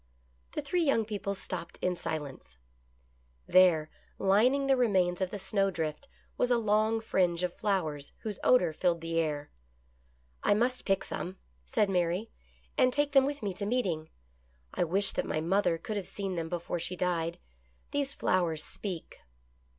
The three young people stopped in silence. There, THE pilgrims' EASTER LILY. I I I lining the remains of the snowdrift, was a long fringe of flowers whose odor filled the air. I must pick some," said Mary, " and take them with me to meeting. I wish that my mother could have seen them before she died. These flowers speak."